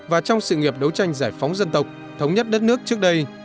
và trong sự nghiệp đấu tranh giải phóng dân tộc thống nhất đất nước trước đây